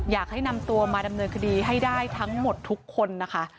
อยากให้นำตัวมาดำเนินคดีให้ได้ทั้งหมดทุกคนนะคะ